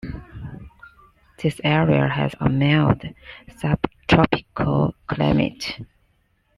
This area has a mild, sub-tropical climate.